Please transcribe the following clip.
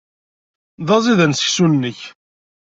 D aẓidan seksu-nnek.